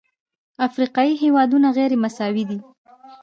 افریقایي هېوادونه غیرمساوي دي.